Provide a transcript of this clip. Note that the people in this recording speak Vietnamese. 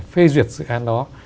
phê duyệt dự án đó